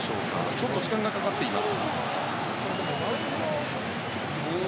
ちょっと時間がかかっています。